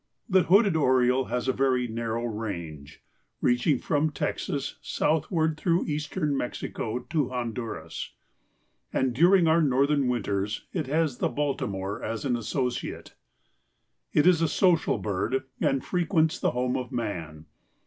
The Hooded Oriole has a very narrow range, reaching from Texas southward through eastern Mexico to Honduras, and during our northern winters it has the Baltimore as an associate. It is a social bird and frequents the home of man.